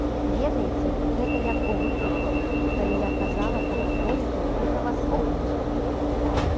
Ведаеце, гэта як у выпадку, калі я казала пра католікаў і праваслаўных.